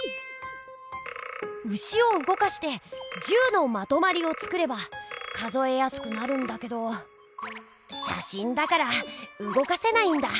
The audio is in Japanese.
牛をうごかして１０のまとまりを作れば数えやすくなるんだけどしゃしんだからうごかせないんだ。